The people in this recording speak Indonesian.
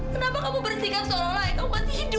kenapa kamu bersihkan seolah olah itu untuk hidup